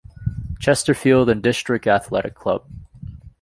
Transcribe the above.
Chesterfield and District Athletic Club.